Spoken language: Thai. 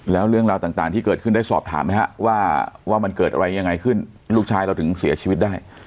แล้วเรื่องราวต่างที่เกิดขึ้นได้สอบถามไหมฮะว่ามันเกิดอะไรยังไงขึ้นลูกชายเราถึงเสียชีวิตได้